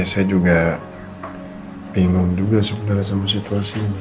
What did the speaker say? iya saya juga bingung juga sebenarnya sama situasinya